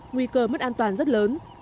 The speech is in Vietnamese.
nguy cơ mất an toàn rất lớn